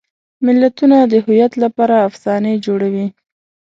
ملتونه د هویت لپاره افسانې جوړوي.